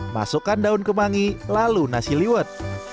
masukkan daun kemangi lalu nasi liwet